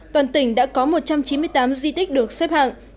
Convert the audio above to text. toàn tỉnh đã có một trăm chín mươi tám di tích được xếp hạng